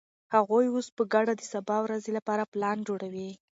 هغوی اوس په ګډه د سبا ورځې لپاره پلان جوړوي.